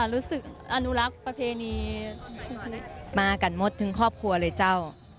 อนุรักษ์ประเพณีมากันหมดทั้งครอบครัวเลยเจ้า